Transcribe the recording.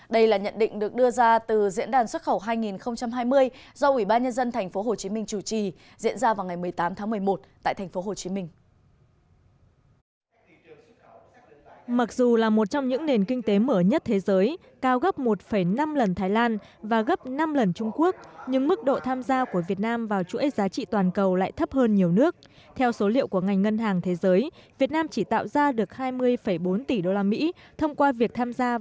đây là nhận định được đưa ra từ diễn đàn xuất khẩu hai nghìn hai mươi do ủy ban nhân dân tp hcm chủ trì diễn ra vào ngày một mươi tám tháng một mươi một tại tp hcm